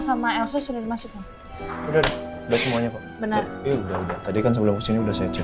sama elsa sulit masuk udah udah semuanya benar benar tadi kan sebelum sini udah saya